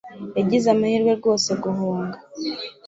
yagize amahirwe rwose guhunga